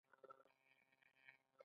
په اختر کې خلک نوي کالي اغوندي.